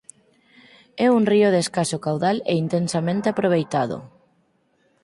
É un río de escaso caudal e intensamente aproveitado.